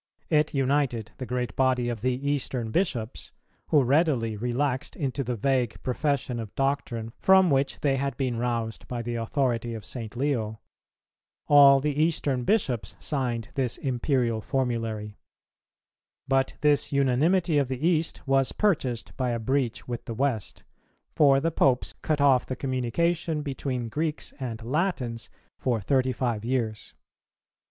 It united the great body of the Eastern Bishops, who readily relaxed into the vague profession of doctrine from which they had been roused by the authority of St. Leo. All the Eastern Bishops signed this Imperial formulary. But this unanimity of the East was purchased by a breach with the West; for the Popes cut off the communication between Greeks and Latins for thirty five years.